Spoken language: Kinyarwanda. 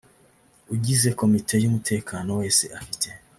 ugize komite y umutekano wese afite